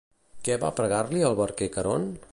Què va pregar-li al barquer Caront?